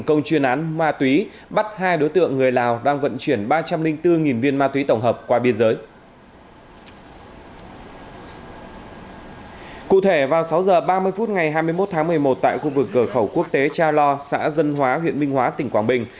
cụ thể vào sáu h ba mươi phút ngày hai mươi một tháng một mươi một tại khu vực cửa khẩu quốc tế cha lo xã dân hóa huyện minh hóa tỉnh quảng bình